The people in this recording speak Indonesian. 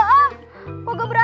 udah digangguin men pryuk